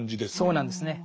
そうなんですね。